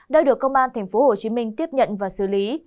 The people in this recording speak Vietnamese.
đã được công an tp hcm tiếp nhận và xử lý